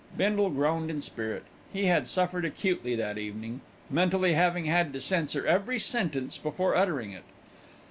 Bindle groaned in spirit. He had suffered acutely that evening, mentally having had to censor every sentence before uttering it.